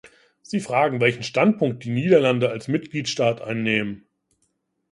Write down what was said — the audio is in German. Sie fragen, welchen Standpunkt die Niederlande als Mitgliedstaat einnehmen.